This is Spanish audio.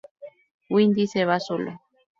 Windy se va solo.